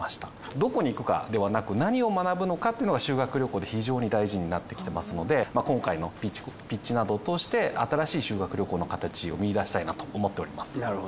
どこに行くかではなく何を学ぶのかというのが修学旅行で非常に大事になってきてますので今回のピッチなどを通して新しい修学旅行の形を見いだしたいなと思っております。